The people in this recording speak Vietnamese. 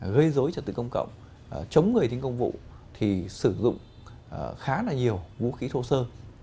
gây dối trật tự công cộng chống người tính công vụ thì sử dụng khá là nhiều vũ khí thô sơ